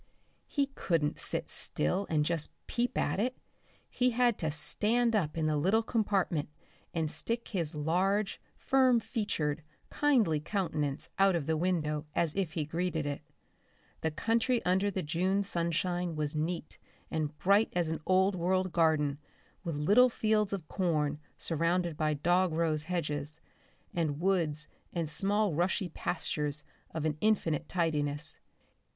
He couldn't sit still and just peep at it, he had to stand up in the little compartment and stick his large, firm featured, kindly countenance out of the window as if he greeted it. The country under the June sunshine was neat and bright as an old world garden, with little fields of corn surrounded by dog rose hedges, and woods and small rushy pastures of an infinite tidiness.